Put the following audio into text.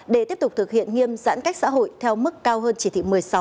để tiếp tục thực hiện nghiêm giãn cách xã hội theo mức cao hơn chỉ thị một mươi sáu